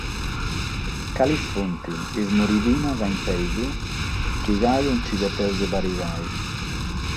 Cales sunt sas muridinas a impèigu chi galu nche devimus barigare?